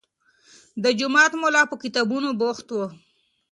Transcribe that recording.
د جومات ملا په کتابونو بوخت و.